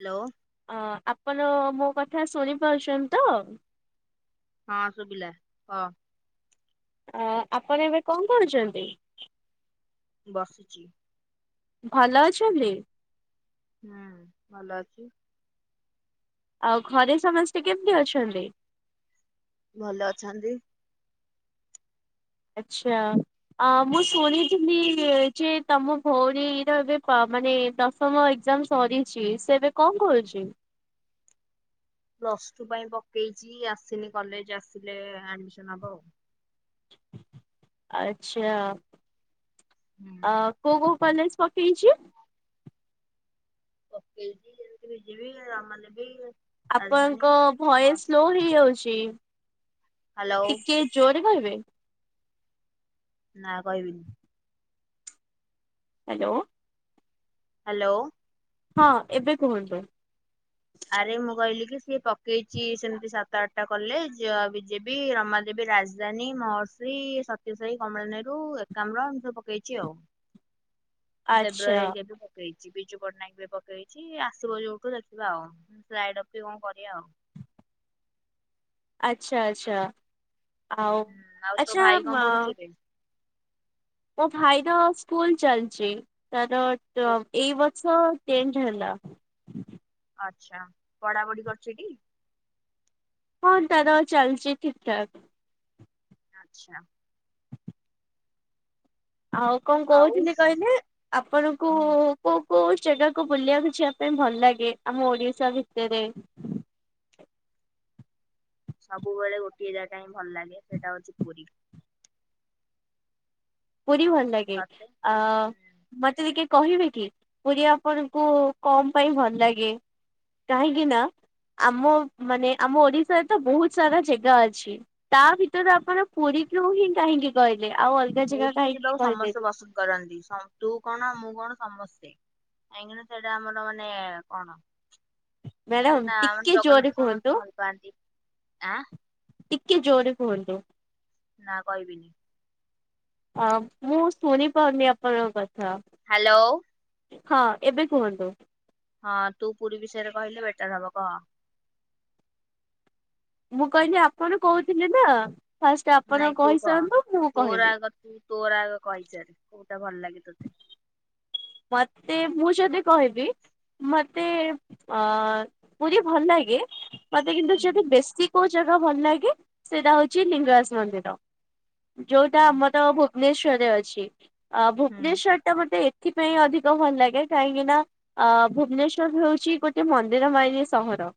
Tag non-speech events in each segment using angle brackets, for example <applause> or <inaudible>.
Hello. ଅ ଆପଣ ମୋ କଥା ଶୁଣିପାରୁଛନ୍ତି ତ? ହଁ ଶୁଭିଲା କହ। ଅ ଆପଣ ଏବେ କଣ କରୁଛନ୍ତି? ବସିଚି। ଭଲ ଅଛନ୍ତି। ହୁଁ ଭଲ ଅଛି। ଆଉ ଘରେ ସମସ୍ତେ କେମତି ଅଛନ୍ତି? ଭଲ ଅଛନ୍ତି। ଆଚଛା। ଅ ମୁଁ ଶୁଣିଥିଲି ଯେ ତମ ଭଉଣୀର ଏବେ ପ ମାନେ ଦଶମ ଏଗଜାମ ସରିଛି ସେ ଏବେ କଣ କରୁଛି? ପ୍ଲସ ଟୁ ପାଇଁ ପକେଇଛି ଆସିନି କଲେଜ ଆସିଲେ ଆଡମିସନ ହବ ଆଉ। ଆଛା ହୁଁ ଆ କୋଉ କୋଉ କଲେଜ। ପକେଇଛି। ପକେଇଛି ଯେମିତି ବିଜେପି ରମା ଦେବୀ। ଆପଣଙ୍କ ଭଏସ ସ୍ଲୋ ହେଇଯାଉଛି ହ୍ୟାଲୋ ଟିକେ ଜୋରେ କହିବେ। ନା କହିବିନି। ହ୍ୟାଲୋ। ହ୍ୟାଲୋ। ହଁ ଏବେ କୁହନ୍ତୁ। ଆରେ ମୁଁ କହିଲି କି ସିଏ ପକେଇଛି ସେମିତି ସାତ ଆଠଟା କଲେଜ ଆ ବିଜେପ ରମାଦେବୀ ରାଜଧାନୀ ମହର୍ଷି ସତ୍ୟସାହି କମଳାନେହେରୁ ଏକାମ୍ର ଏମିତ ସବୁ ପକେଇଛି ଆଉ। ଆଚ୍ଛା। ଫେବୃୁଆାରୀ ଏକ ରୁ ପକେଇଛି ବିଜୁ ପଟ୍ଟନାୟକ ବି ପକେଇଛି ଆସିବ ଯୋଉଠୁ ଦେଖିବା ଆଉ <inaudible> ବି କଣ କରିବା ଆଉ। ଆଚ୍ଛା ଆଚ୍ଛା ଆଉ ହୁଁ ଆଉ ତୋ ଆଚ୍ଛା ଭାଇ କଣ ମା ପଢୁଛି ଏବେ? ମୋ ଭାଇର ସ୍କୁଲ ଚାଲିଛି ତାର ଓ, ଟଏଇ ବର୍ ବର୍ଷ ଟେନଥ ହେଲା। ଆଚ୍ଛା ପଢାପଢି କରୁଛି ଟି? ହଁ ତାର ଚାଲିଛି ଠିକ ଠାକ। ଆଚ୍ଛା। ଆଉ କଣ ଆଉ ହୁଁ କହୁଥିଲି କହିଲେ ଆପଣଙ୍କୁ କୋଉ କୋଉ ଜାଗାକୁ ବୁଲିବାକୁ ଯିବା ପାଇଁ ଭଲ ଲାଗେ ଆମ ଓଡିଶା ଭିତରେ। ସବୁବେଳେ ଗୋଟିଏ ଜାଗା ହିଁ ଭଲ ଲାଗେ ସେଇଟା ହଉଛି ପୁରୀ। ପୁରୀ ଭଲ ଲାଗେ ତତେ? ଅ ହୁଁ, ମତେ ଟିକେ କହିବେ କି ପୁରୀ ଆପଣଙ୍କୁ କଣ ପାଇଁ ଭଲ ଲାଗେ? କାହିଁକି ନା ଆମ ମାନେ ଆମ ଓଡିଶାରେ ତ ବହୁତ ସାରା ଜେଗା ଅଛି। ତା ଭିତରୁ ଆପଣ ପୁରୀକୁ ହିଁ କାହିଁକି କହିଲେ ଆଉ ଅଲଗା ଜାଗା ପୁରୀ କାହିଁକି ଯିବାକୁ ସମସ୍ତେ କହିଲେନି? ପସନ୍ଦ କରନ୍ତି ତୁ କଣ ମୁଁ କଣ ସମସ୍ତେ। କାହିଁକିନା ସେଇଟା ଆମର ମାନେ କଣ? ମ୍ୟାଡାମ ମାନେ ତା ଟିକେ ଜୋରରେ ଜଗନ୍ନାଥ କୁହନ୍ତୁ ସମସ୍ତେ ଭଲ ପାଆନ୍ତି ଆଁ। ଟିକେ ଜୋରେ କୁହନ୍ତୁ। ନା କହିବିନି। ଆ ମୁଁ ଶୁଣି ପାରୁନି ଆପଣଙ୍କ କଥା। ହ୍ୟାଲୋ। ହଁ ଏବେ କୁହନ୍ତୁ। ହଁ ତୁ ପୁରୀ ବିଷୟରେ କହିଲେ ବେଟର ହବ କ। ମୁଁ କହିଲି ଆପଣ କହୁଥିଲେ ନା ଫାଷ୍ଟ ଆପଣ ନାଇଁ ତୁ କହ କହିସାରନ୍ତୁ ମୁଁ ତୋର କହିବି। ଆଗ ତୁ ତୋର ଆଗ କହିଚାଲ୍ କୋଉଟା ଭଲ ଲାଗେ ତୋତେ। ମତେ ମୁଁ ଯଦି କହିବି ମତେ ଆଁ ପୁରୀ ଭଲ ଲାଗେ ମତେ କିନ୍ତୁ ହୁଁ ଯଦି ବେଶୀ କୋଉ ଜାଗା ଭଲ ଲାଗେ ସେଇଟା ହେଉଛି ଲିଙ୍ଗରାଜ ମନ୍ଦିର। ଯୋଉଟା ହୁଁ ଆମର ଭୁବନେଶ୍ଵରରେ ଅଛି ଆ ହୁଁ ଭୁବନେଶ୍ଵର ଟା ମତେ ଏଥିପାଇଁ ଅଧିକ ଭଲ ଲାଗେ କାହିଁକି ନା ଆ ଭୁବନେଶ୍ଵର ହେଉଛି ଗୋଟେ ମନ୍ଦିର ମାଳିନୀ ସହର।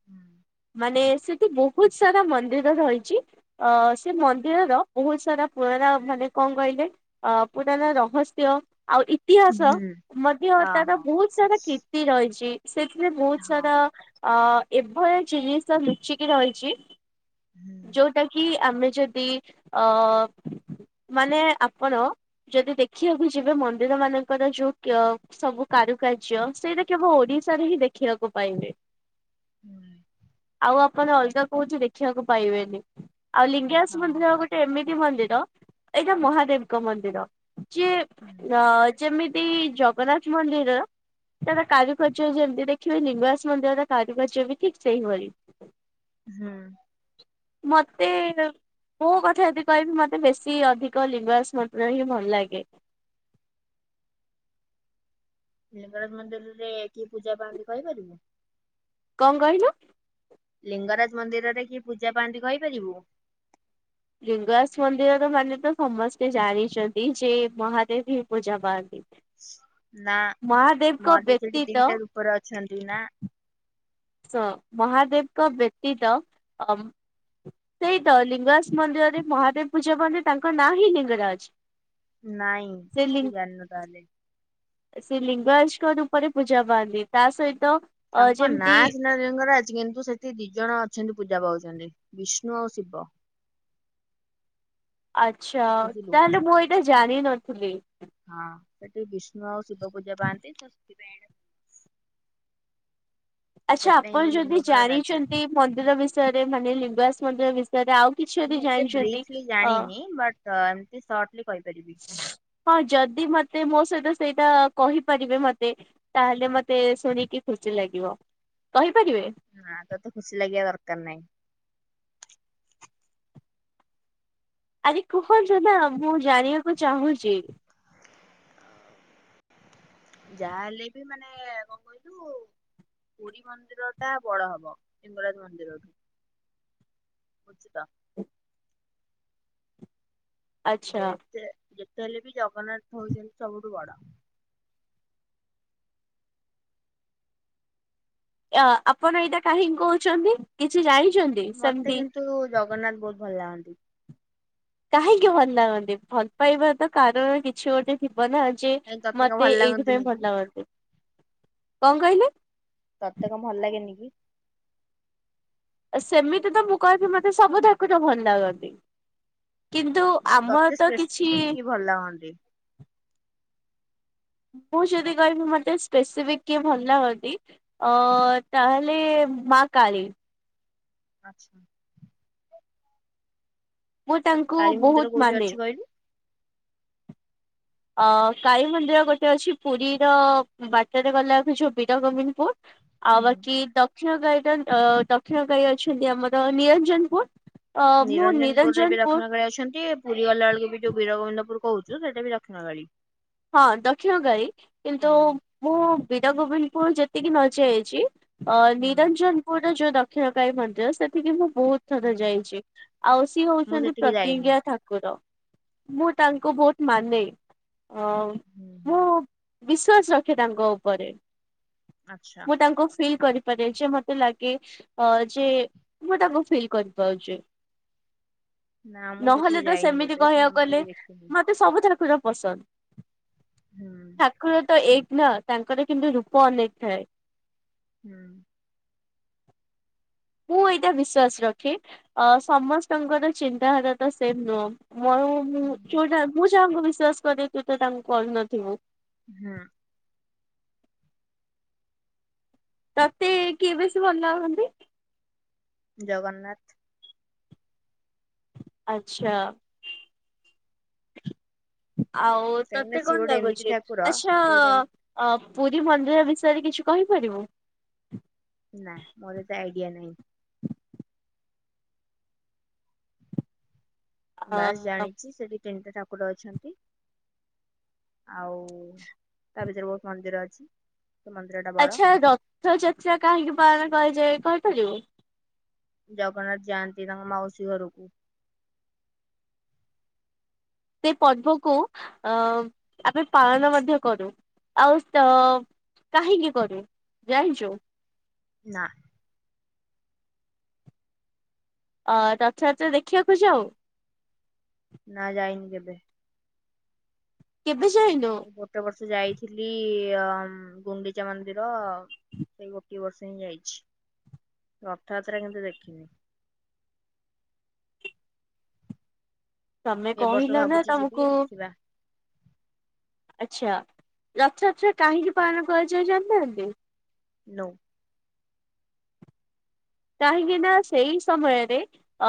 <unintelligible> ମାନେ ସେଠି ବହୁତ ସାରା ମନ୍ଦିର ରହିଛି ଆ ସେ ମନ୍ଦିରର ବହୁତ ସାରା ପୁରଣା ମାନେ କଣ କହିଲେ ଅ ପୁରଣା ରହସ୍ୟ ଆଉ ଇ ହୁଁ ତିହାସ ହୁଁ ମଧ୍ୟ ହଁ ତାର ହଁ ବହୁତ ସାରା କୀର୍ତ୍ତି ରହିଛି ସେଥିରେ ବହୁତ ହଁ ସାରା ଅ ଏଭଳିଆ ଜିନିଷ ଲୁଚିକି ରହିଛି <unintelligible> ଯୋଉଟା କି ଆମେ ଯଦି ଅ ମାନେ ଆପଣ ଯଦି ଦେଖିବାକୁ ଯିବେ ମନ୍ଦିର ମାନଙ୍କର ଯୋଉ କ୍ୟ ସବୁ କାରୁକାର୍ଯ୍ୟ ସେଇଟା କେବଳ ଓଡିଶାରେ ହିଁ ଦେଖିବାକୁ ପାଇବେ। <unintelligible> ଆଉ ଆପଣ ଅଲଗା କଉଠି ଦେଖିବାକୁ ପାଇବେନି ଆଉ ଲିଙ୍ଗାଜ ହଁ ମନ୍ଦିର ଗୋ ଟେ ଏମିତି ମନ୍ଦିର ଏଇଟା ମହାଦେବଙ୍କ ମନ୍ଦିର ଯିଏ ହୁଁ ଅ ଯେମିତି ଜଗନ୍ନାଥ ମନ୍ଦିର ତାର କାରୁକାର୍ଯ୍ୟ ଯେମିତି ଦେଖିବେ ଲିଙ୍ଗରାଜ ମନ୍ଦିରର କାରୁକାର୍ଯ୍ୟ ବି ଠିକ୍ ସେଇଭଳି। ହୁଁ। ମୋତେ ମୋ କଥା ଯଦି କହିବି ମତେ ବେଶୀ ଅଧିକ ଲିଙ୍ଗରାଜ ମନ୍ଦିର ହିଁ ଭଲ ଲାଗେ। ଲିଙ୍ଗରାଜ ମନ୍ଦିରରେ କିଏ ପୂଜା ପାଆନ୍ତି କହିପାରିବୁ? କଣ କହିଲୁ? ଲିଙ୍ଗରାଜ ମନ୍ଦିରରେ କି ପୂଜା ପାଆନ୍ତି କହିପାରିବୁ? ଲିଙ୍ଗରାଜ ମନ୍ଦିର ମାନେ ତ ସମସ୍ତେ ଜାଣିଛନ୍ତି ଯେ ମହାଦେବ ହିଁ ପୂଜା ପାଆନ୍ତି। ନା ମହାଦେବଙ୍କ ମନ୍ଦିରରେ ସେଠି ବ୍ୟତୀତ ଦିଟା ରୂପରେ ଅଛନ୍ତି ନା? ହଁ ମହାଦେବଙ୍କ ବ୍ୟତୀତ ଅ ସେଇ ତ ଲିଙ୍ଗରାଜ ମନ୍ଦିରରେ ମହାଦେବ ପୂଜା ପାଆନ୍ତି ତାଙ୍କ ନାଁ ହିଁ ଲିଙ୍ଗରାଜ। ନାଇଁ ସେ ଲି ତୁ ଜାଣିନୁ ତାହେଲେ। ସେ ଲିଙ୍ଗରାଜଙ୍କ ରୂପରେ ପୂଜା ପାଆନ୍ତି ତା ସହିତ ଅ ତାଙ୍କ ଯେମିତି ନାଁ ସିନା ଲିଙ୍ଗରାଜ କିନ୍ତୁ ସେଠି ଦି ଜଣ ଅଛନ୍ତି ପୂଜା ପାଉଛନ୍ତି ବିଷ୍ଣୁ ଆଉ ଶିବ। ଆଚ୍ଛା ବୁଝିଲୁ। ତାହେଲେ ମୁଁ ଏଇଟା ଜାଣିନଥିଲି। ହଁ ସେଠିକି ବିଷ୍ଣୁ ଆଉ ଶିବ ପୂଜା ପାଆନ୍ତି ସେଥିପାଇଁ। ଆଚ୍ଛା ସେଥିପାଇଁ ଆପଣ ଏଇ ଯଦି ଲିଙ୍ଗଙ୍କର ରାଜା ଜାଣିଛନ୍ତି ମନ୍ଦିର ବିଷୟରେ ମାନେ ଲିଙ୍ଗରାଜ ମନ୍ଦିର ବିଷୟରେ ଆଉ କିଛି ଯଦି ମୁଁ ଏତେ ଜାଣିଛନ୍ତି ବ୍ରିଫଲି ଅ ଜାଣିନି ବଟ୍ ଏମତି ସର୍ଟରେ କହିପାରିବି। ହଁ ଯଦି ମତେ ମୋ ସହିତ ସେଇଟା କହିପାରିବେ ମତେ। ତାହେଲେ ମତେ ଶୁଣିକି ଖୁସି ଲାଗିବ କହିପାରିବେ। ହଁ ତ ଖୁସି ଲାଗି ଦରକାର ନାହିଁ। ଆରେ କୁହନ୍ତ ନା ମୁଁ ଜାଣିବାକୁ ଚାହୁଁଛି। <unintelligible> ଯାହାହଲେ ବି ମାନେ କଣ କହିଲୁ ପୁରୀ ମନ୍ଦିର ଟା ବଡ ହବ ଲିଙ୍ଗରାଜ ମନ୍ଦିରଠୁ ଉଚ୍ଚିତ। ଆଚ୍ଛା। ଯେତେ ଯେତେ ହେଲେ ବି ଜଗନ୍ନାଥ ହେଉଛନ୍ତି ସବୁଠୁ ବଡ। ଆପଣ ଏଇଟା କାହିଁକି କହୁଛନ୍ତି କିଛି ଜାଣିଛନ୍ତି। ମତେ ସେମିତି କିନ୍ତୁ ଜଗନ୍ନାଥ ବହୁତ ଭଲ ଲାଗନ୍ତି। କାହିଁକି ଭଲ ଲାଗନ୍ତି ଭଲ ପାଇବା ତ କାରଣ କିଛି ଗୋଟେ। ଥିବ ନା ଯେ କାଇଁ ତତେ କଣ ମତେ ଭଲ ଏଇଥିପାଇଁ ଲାଗନ୍ତିନି ଭଲ କି? ଲାଗନ୍ତି କଣ କହିଲେ।? ତତେ କଣ ଭଲ ଲାଗେନି କି? - ସେମିତି ତ ମୁଁ କହିବି ମତେ ସବୁ ଠାକୁର ଭଲ ଲାଗନ୍ତି। କିନ୍ତୁ ତତେ ଆମର ତ କିଛି ସ୍ପେସିଫିକ କିଏ ଭଲ ଲାଗନ୍ତି। - ମୁଁ ଯଦି କହିବି ମତେ ସ୍ପେସିଫିକ କିଏ ଭଲ ଲାଗନ୍ତି। - ଅ ତାହେଲେ ମା କାଳି। - ଆଚ୍ଛା! - ମୁଁ ତାଙ୍କୁ କାଳୀ ମନ୍ଦିର ବହୁତ କୋଉଠି ମାନେ। ଅଛି - କହିଲୁ? ଅ କଳୀ ମନ୍ଦିର ଗୋଟେ ଅଛି। ପୁରୀ ର ବାଟରେ ଗଲାବେଳକୁ ଯୋଉ ବୀର ଗୋବିନ୍ଦପୁର। - ଆଉ ହୁଁ ବାକି ଦକ୍ଷିଣ ଗାଇଡନ ଦକ୍ଷିଣ କାଳୀ ଅଛନ୍ତି ଆମର ନିରଞ୍ଜନପୁର। - ନିରଞ୍ଜନପୁରରେ ବି ଦକ୍ଷିଣକାଳୀ ଅଛନ୍ତି। - ପୁରୀ ଗଲାବେେଳକୁ ବି ଯୋଉ ବୀରବନ୍ଦପୁର କହୁଛୁ ସେଟା ବି ଦକ୍ଷିଣକାଳି। - ହଁ ଦକ୍ଷିଣ କାଳୀ କିନ୍ତୁ ହୁଁ ମୁଁ ବୀର ଗୋବିନ୍ଦପୁର ଯେତିକି ନଯାଇଛି। - ଅ ହୁଁ ନିରଞ୍ଜନପୁରର ଯୋଉ ଦକ୍ଷିଣକାଳୀ ମନ୍ଦିର ସେଠକି ମୁଁ ବହୁତ। - ଥର ହୁଁ ଯାଇଛି। ଆଉ ସିଏ ମୁଁ ହଉଛନ୍ତି ସେଠିକି ଯାଇନି। ପ୍ରତିଜ୍ଞା ଠାକୁର। - ମୁଁ ତାଙ୍କୁ ବହୁତ ମାନେ। - ହ ହୁଁ ହୁଁ ମୁଁ ବିଶ୍ୱାସ ରଖେ ତାଙ୍କ ଉପରେ। ଆଚ୍ଛା - ମୁଁ ତାଙ୍କୁ ଫିଲ୍ କରିଥି ପରେ ଯେ ମତେ ଲାଗେ ଅ ଯେ ମୁଁ ତାକୁ ଫିଲ୍ କରିପାରୁଛି। - ନା ମୁଁ ସେଠିକି ନହେଲେ ତ ଯାଇନି ସେମିତି କେବେ ସେ କହିବାକୁ ମନ୍ଦିର ବି ଗଲେ ଦେଖିନି ମତେ ସବୁଥର ପୁରା ପସନ୍ଦ। - ହୁଁ- ଠାକୁର ତ ଏକ ନା ତାଙ୍କର କିନ୍ତୁ ରୂପ ଅନେକ ଥାଏ। ହୁଁ। ମୁଁ ଏଇଟା ବିଶ୍ଵାସ ରଖେ, ଅ ସମସ୍ତଙ୍କର ଚିନ୍ତାଧାରା ତ ସେମ୍ ନୁହଁ। <unintelligible> ମୁଁ ଯୋଉଟା ମୁଁ ଯାହାଙ୍କୁ ବିଶ୍ଵାସ କରେ ତୁ ତ ତାଙ୍କୁ କହିନଥିବୁ। ହୁଁ। ତତେ କିଏ ବେଶୀ ଭଲ ଲାଗନ୍ତି? ଜଗନ୍ନାଥ। ଆଚ୍ଛା। ଆଉ କାହିଁକି ନା ତତେ ସିଏ କଣ ଗୋଟେ ଏମିତି ଲାଗୁଛି? ଠାକୁର ସେ ଗୋଟେ ଅ ପୁରୀ ମନ୍ଦିର ବିଷୟରେ କିଛି କହିପାରିବୁ? ନା ମୋର ଏତେ ଆଇଡିଆ ନାହିଁ। ବାସ୍ ଅ ଜାଣିଛି ସେଠି ତିନିଟା ଠାକୁର ଅଛନ୍ତି। ଆଉ ତା ଭିତରେ ବହୁତ ମନ୍ଦିର ଅଛି। ସେ ମନ୍ଦିର ଟା ବଡ ଆଚ୍ଛା। ରଥଯାତ୍ରା କାହିଁକି ପାଳନ କରାଯାଏ କହିପାରିବୁ? - ଜଗନ୍ନାଥ ଯାଆନ୍ତି ତାଙ୍କ ମାଉସୀ ଘରକୁ। ସେ ପର୍ବକୁ ଅ ଆମେ ପାଳନ ମଧ୍ୟ କରୁ ଆଉ ସ କାହିଁକି କରୁ ଜାଣିଛୁ? ନା। ଅ ରଥଯାତ୍ରା ଦେଖିବାକୁ ଯାଉ ନା ଯାଇନି କେବେ। କେବେ ଯାଇନୁ? ଏ ଗୋଟେ ବର୍ଷ ଯାଇଥିଲି ଅ ଗୁଣ୍ଡିଚା ମନ୍ଦିର। ସେଇ ଗୋଟିଏ ବର୍ଷ ହିଁ ଯାଇଛି ରଥଯାତ୍ରା କିନ୍ତୁ ଦେଖିନି। ତମେ ଏବ ବର୍ଷ କହିଲ ନା ଭାବୁଛି ତମକୁ ଯିବି ଦେଖିବା। ଆଚ୍ଛା। ରଥଯାତ୍ରା କାହିଁକି ପାଳନ କରାଯାଏ ଜାଣିନାହାନ୍ତି? ନୋ। କାହିଁକିନା, ସେଇ ସମୟରେ ଅ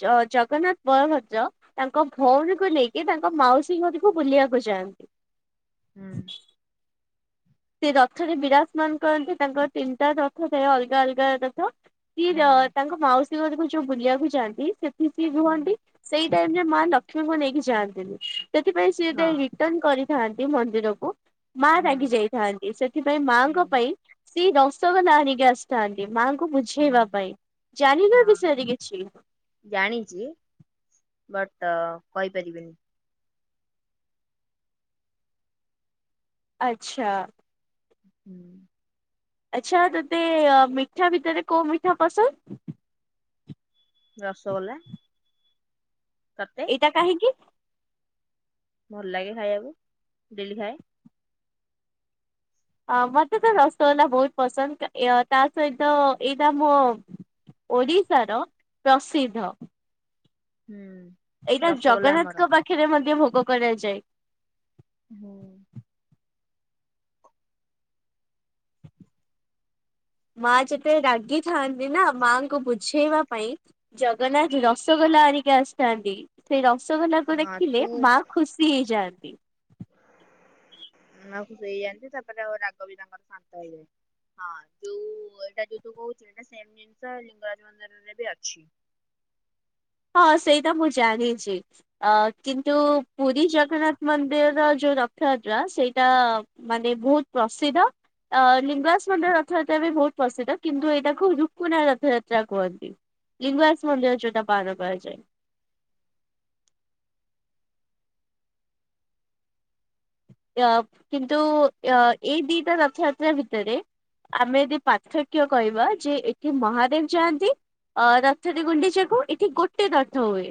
ଜ ଜଗନ୍ନାଥ ବଳଭଦ୍ର ତାଙ୍କ ଭୋଉଣୀ କୁ ନେଇକି ତାଙ୍କ ମାଉସୀ ଘରକୁ ବୁଲିବାକୁ ଯାଆନ୍ତି। ହୁଁ। ସେ ରଥରେ ବିରାଜମାନ କରକି ତାଙ୍କର ତିନ ଟା ରଥ ଯଏ ଅଲଗା ଅଲଗା ରଥ। ହୁଁ <unintelligible> ତାଙ୍କ ମାଉସୀ ଘରକୁ ଯୋଉଁ ବୁଲିବାକୁ ଯାଆନ୍ତି ସେଠି ସିଏ ହୁଁ ରୁହନ୍ତି। ସେଇ ଟାଇମ ରେ ମାଁ ଲକ୍ଷ୍ମୀଙ୍କୁ ନେଇକି ଯାଆନ୍ତିି ନି ସେଥିପାଇଁ ସିଏ ଟା ହଁ <unintelligible> ଟନ୍ କରିଥାନ୍ତି ମନ୍ଦିରକୁ, ମାଁ ହୁଁ ରାଗି ଯାଇଥାନ୍ତି, ସେଥିପାଇଁ ହୁଁ ମାଙ୍କ ପାଇଁ ସେଇ ରସଗୋଲା ନେଇକି ଆସିଥାନ୍ତିି ମା ଙ୍କୁ ହୁଁ ବୁଝେଇବା ପାଇଁ ଜାଣିଲେ ହଁ ବିସେଏରେ କିଛି? ଜାଣିଛି, ବଟ୍ କହିପାରିବିନି। ଆଚ୍ଛା ହୁଁ ଆଚ୍ଛା ତୋତେ ମିଠା ଭିତରେ କୋଉ ମିଠା ପସନ୍ଦ୍? ରସଗୋଲା ତତେ? ଏଇଟା କାହିଁକି? ଭଲ ଲାଗେ ଖାଇବାକୁ, ଡେଲି ଖାଏଁ। ଆ ମତେ ତ ରସଗୋଲା ବହୁତ ପସନ୍ଦ, ତା ସହିତ ଏଇଟା ମୋ ଓଡ଼ିଶାର ପ୍ରସିଦ୍ଧ। ହୁଁ। ଏଇଟା ରସଗୋଲା ଆମର ଜଗନ୍ନାଥଙ୍କ ପାଖରେ ମଧ୍ୟ ଭୋଗ କରାଯାଏ। ହୁଁ। ମାଆ ଯେତେବେଳେ ରାଗିଥାଆନ୍ତି ନା ମାଙ୍କୁ ବୁଝେଇବା ପାଇଁ। ଜଗନ୍ନାଥ ରସଗୋଲା ଆଣିକି ଆସଥାନ୍ତି। ସେଇ ରସଗୋଲାକୁ ହଁ ଦେଖିଲେ ମା ଖୁସି ହେଇଯାଆନ୍ତି। ମାଁ କୁ ନଦେଇଯାଆନ୍ତି ତାପରେ ଆଉ ରାଗ ବି ତାଙ୍କର ଶାନ୍ତ ହେଇଯାଏ। ହଁ ଯୋଉ ଏଇଟା ଯୋଉ ତୁ କହୁଚୁ ଏଇଟା ସେମ୍ ଜିନିଷ ଲିଙ୍ଗରାଜ ମନ୍ଦିରରେ ବି ଅଛି। ହଁ ସେଇଟା ମୁଁ ଜାଣିଛି ଅ କିନ୍ତୁ ପୁରୀ ଜଗନ୍ନାଥ ମନ୍ଦିରର ଯୋଉ ର ଥ ଟା ସେଇଟା ମାନେ ବହୁତ୍ ପ୍ରସିଦ୍ଧ। ଅ ଲିଙ୍ଗରାଜ ମନ୍ଦିର ରଥଯାତ୍ରା ବି ବହୁତ୍ ପ୍ରସିଦ୍ଧ କିନ୍ତୁ ଏଇଟାକୁ ରୁକୁନା ରଥଯାତ୍ରା କୁହନ୍ତି। ଲିଙ୍ଗରାଜ ମନ୍ଦିର ଯୋଉଟା ପାଳନ କରାଯାଏ। ଏହା କିନ୍ତୁ ଅ ଏଇ ଦିଇଟା ରଥଯାତ୍ରା ଭିତେରେ। ଆମେ ଯଦି ପାର୍ଥକ୍ୟ କହିବା ଯେ ଏଠି ମହାଦେବ ଯାଆନ୍ତି। ଅ ରଥରେ ଗୁଣ୍ଡିଚାକୁ ଏଠି ଗୋଟେ ରଥ ହୁଏ।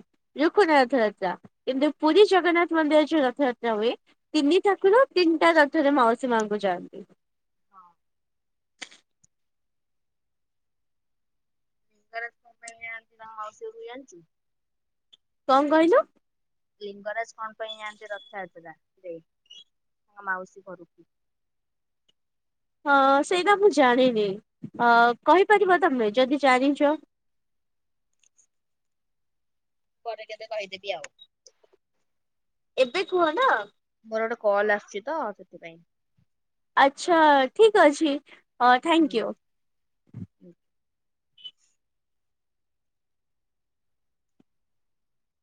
ରୁକୁନା ରଥଯାତ୍ରା କିନ୍ତୁ ପୁରୀ ଜଗନ୍ନାଥ ମନ୍ଦିରରେ ଯୋଉ ରଥଯାତ୍ରା ହୁଏ। ତିନି ଠାକୁର ତିନ୍ ଟା ରଥରେ ମାଉସୀ ମାଙ୍କୁ ଯାଆନ୍ତି। ହଁ। ଥରେ କଣ ପାଇଁ ଯାଆନ୍ତି ତାଙ୍କ ମାଉସୀ ଘରୁକୁ ଯାଣଚୁ? କଣ କହିଲୁ? ଲିଙ୍ଗରାଜ କଣ ପାଇଁ ଯାଆନ୍ତି ରଥଯାତ୍ରା ରେ ତାଙ୍କ ମାଉସୀ ଘରୁକୁ। ଅ ସେଇଟା ମୁଁ ଜାଣିନି ଅ କହିପାରିବ ତମେ ଯଦି ଜାଣିଚ? ପରେ କେବେ କହିଦେବି ଆଉ। ଏବେ କୁହ ନା। ମୋର ଗୋଟେ କଲ୍ ଆସଚି ତ ସେଥିପାଇଁ। ଆଚ୍ଛା ଠିକ୍ ଅଛି ଅ ଥ୍ୟାଙ୍କୟୁ। ହୁଁ।